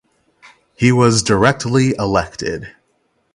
He was directly elected.